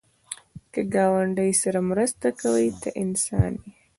که ګاونډي سره مرسته کوې، ته انسان یې